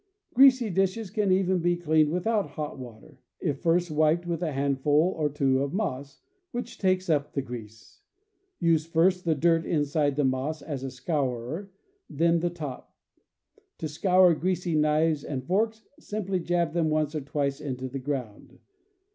Greasy dishes can even be cleaned without hot water, if first wiped with a handful or two of moss, which takes up the grease; use first the dirt side of the moss as a scourer, then the top. To scour greasy knives and forks, simply jab them once or twice into the ground.